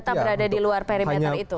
dan tetap berada di luar perimeter itu